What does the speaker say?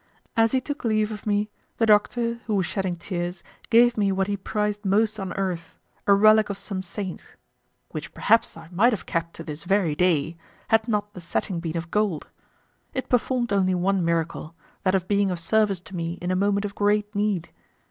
As he took leave of me, the doctor, who was shedding tears, gave me what he prized most on earth; a relic of some saint, which perhaps I might have kept to this very day, had not the setting been of gold. It performed only one miracle, that of being of service to me in a moment of great need.